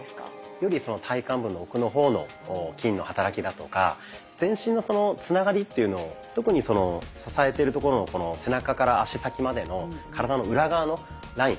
より体幹部の奥の方の筋の働きだとか全身のつながりというのを特に支えてるところの背中から足先までの体の裏側のライン